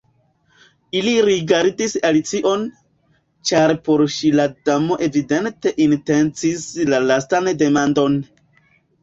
Ili rigardis Alicion, ĉar por ŝi la Damo evidente intencis la lastan demandon.